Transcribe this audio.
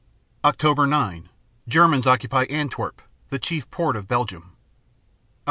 Oct. 9 Germans occupy Antwerp, the chief port of Belgium. Oct.